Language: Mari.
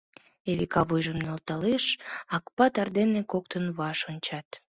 Эвика вуйжым нӧлталеш, Акпатыр дене коктын ваш ончат.